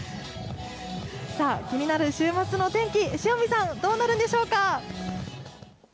さあ、気になる週末のお天気、塩見さん、どうなるんでしょうか。